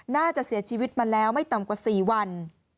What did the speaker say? น่าจะเสียชีวิตมาแล้วไม่ต่ำกว่า๔วัน